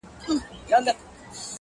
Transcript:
په گلونو کي عجيبه فلسفه ده،